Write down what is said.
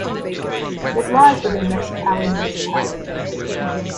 It lies within Mexicali Municipality.